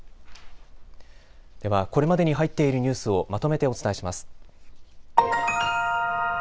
これまでに入っているニュースをまとめてお伝えします。